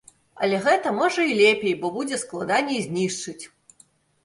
Але гэта, можа, і лепей, бо будзе складаней знішчыць.